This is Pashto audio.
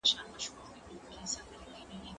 ليکنې وکړه؟